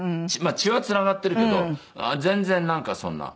血はつながっているけど全然なんかそんな。